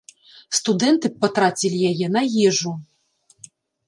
Студэнты б патрацілі яе на ежу.